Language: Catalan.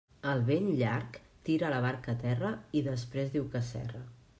El vent llarg tira la barca a terra i després diu que s'erra.